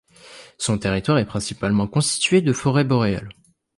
Son territoire est principalement constitué de forêt boréale.